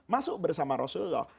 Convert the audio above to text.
masuk bersama rasulullah